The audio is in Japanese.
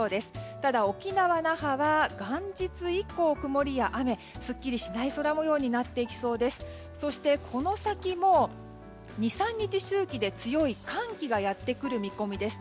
ただ沖縄・那覇は元日以降曇りや雨。すっきりしない空模様になっていきそうです。